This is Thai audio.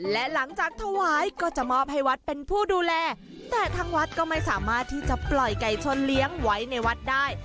และหลังจากถวายก็จะมอบให้วัดเป็นผู้ดูแลแต่ทางวัดก็ไม่สามารถที่จะปล่อยไก่ชนเลี้ยงไว้ในวัดได้